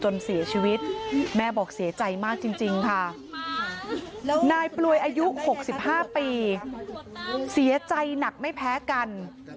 นายปลวยอายุ๖๕ปีเสียใจหนักไม่แพ้กัน